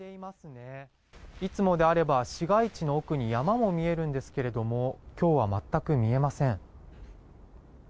いつもであれば市街地の奥に山も見えるんですけれども今日は全く見えません。